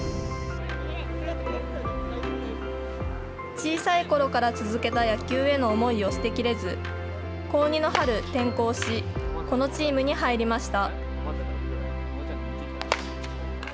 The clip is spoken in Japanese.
小さいころから続けた野球への思いを捨てきれず、高２の春、転校し、このチームに入りました。